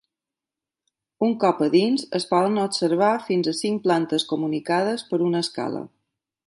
Un cop a dins es poden observar fins a cinc plantes comunicades per una escala.